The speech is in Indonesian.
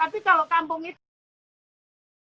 tapi kalau kampung itu